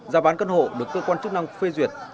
giá bán căn hộ được cơ quan chức năng phê duyệt